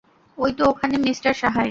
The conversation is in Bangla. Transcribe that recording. ওই তো ওখানে মিস্টার সাহায়।